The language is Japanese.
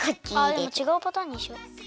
あでもちがうパターンにしよ！